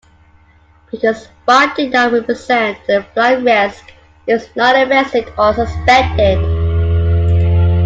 Because Farr did not represent a "flight risk" he was not arrested or suspended.